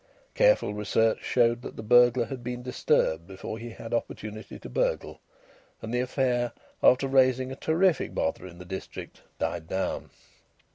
Careful research showed that the burglar had been disturbed before he had had opportunity to burgle. And the affair, after raising a terrific bother in the district, died down.